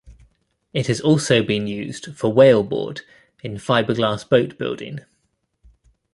It has also been used for whaleboard in fiberglass boat building.